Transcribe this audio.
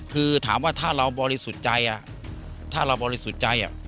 คือถามว่าถ้าเราบริสุทธิ์ใจถ้าเราบริสุทธิ์ใจ